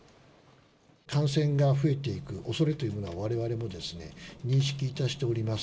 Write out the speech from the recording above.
感染が増えていくおそれというのは、われわれもですね、認識いたしております。